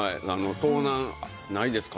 盗難ないですか？